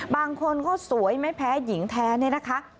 บางคนก็สวยไม่แพ้หญิงแท้เนี่ยนะคะ